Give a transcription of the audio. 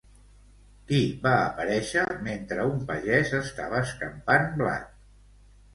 Qui va aparèixer mentre un pagès estava escampant blat?